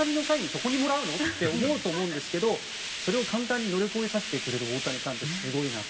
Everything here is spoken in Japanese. そこにもらうの？と思うと思うんですけどそれを簡単に乗り越えさせてくれる大谷さんってすごいなと。